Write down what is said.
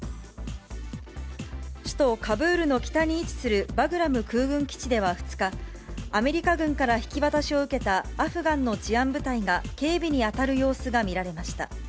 首都カブールの北に位置するバグラム空軍基地では２日、アメリカ軍から引き渡しを受けたアフガンの治安部隊が、警備に当たる様子が見られました。